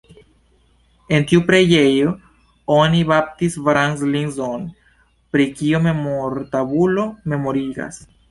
En tiu preĝejo oni baptis Franz Liszt-on, pri kio memortabulo memorigas.